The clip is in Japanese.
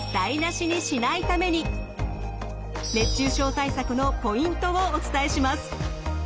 せっかくののポイントをお伝えします。